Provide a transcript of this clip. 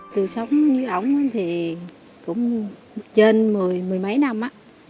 từ sống với ổng thì cũng trên mười mấy năm